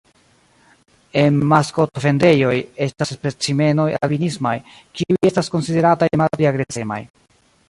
En maskotvendejoj estas specimenoj albinismaj kiuj estas konsiderataj malpli agresemaj.